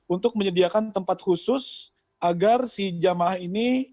untuk menyediakan tempat khusus agar si jamaah ini